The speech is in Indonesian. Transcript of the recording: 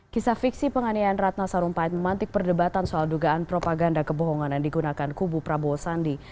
kisah fiksi penganiayaan ratna sarumpait memantik perdebatan soal dugaan propaganda kebohongan yang digunakan kubu prabowo sandi